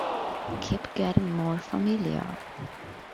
Keep getting more familiar!